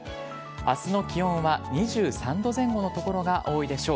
あすの気温は２３度前後の所が多いでしょう。